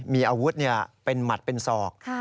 มีอาวุธเป็นหมัดเป็นศอก